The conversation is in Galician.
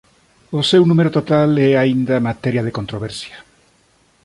O seu número total é aínda materia de controversia.